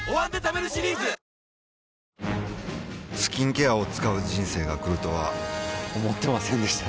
スキンケアを使う人生が来るとは思ってませんでした